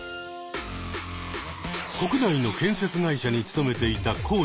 国内の建設会社に勤めていたコウジさん。